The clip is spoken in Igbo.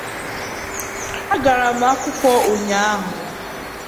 ma gbasàwanyekwuo ya